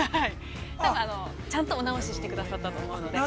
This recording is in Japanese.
だから、ちゃんとお直ししてくださったと思うので。